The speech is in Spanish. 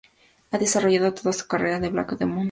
Ha desarrollado toda su carrera en Black Demons.